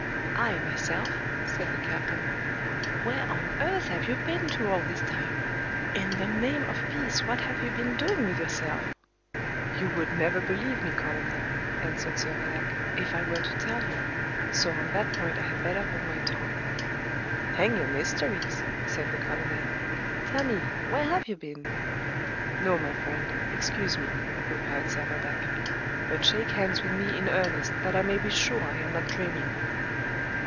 "I, myself," said the captain. "Where on earth have you been to all this time? In the name of peace, what have you been doing with yourself?" "You would never believe me, colonel," answered Servadac, "if I were to tell you; so on that point I had better hold my tongue." "Hang your mysteries!" said the colonel; "tell me, where have you been?" "No, my friend, excuse me," replied Servadac; "but shake hands with me in earnest, that I may be sure I am not dreaming."